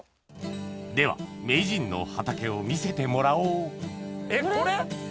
では名人の畑を見せてもらおうえっこれ？